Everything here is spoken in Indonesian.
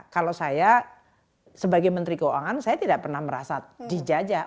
kalau saya sebagai menteri keuangan saya tidak pernah merasa dijajah